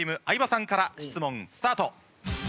相葉さんから質問スタート。